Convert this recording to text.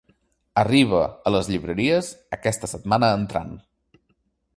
Arriba a les llibreries aquesta setmana entrant.